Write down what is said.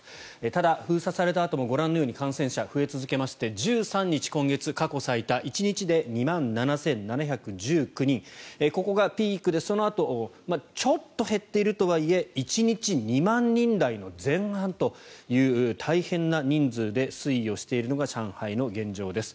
ただ、封鎖されたあともご覧のように感染者は増え続けまして１３日今月過去最多１日で２万７７１９人ここがピークで、そのあとちょっと減っているとはいえ１日２万人台の前半という大変な人数で推移をしているのが上海の現状です。